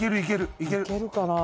いけるかなぁ。